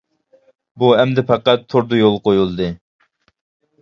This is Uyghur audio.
بۇ ئەمدى پەقەت توردا يولغا قويۇلدى.